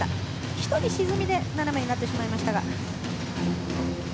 １人、沈みで斜めになってしまいましたね。